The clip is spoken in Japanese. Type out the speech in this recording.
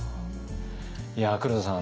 黒田さん